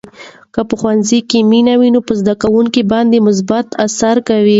که په ښوونځي کې مینه وي، نو زده کوونکي باندې مثبت اثر کوي.